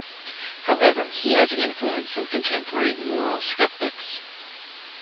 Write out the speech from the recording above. However, he has influenced some contemporary moral skeptics.